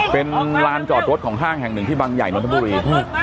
เป็นลานจอดรถของห้างแห่งหนึ่งที่บางใหญ่นนทบุรี